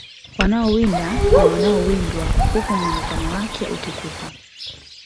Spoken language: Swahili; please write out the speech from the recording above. Wanaowinda na wanaowindwa huku muonekano wake ukikupa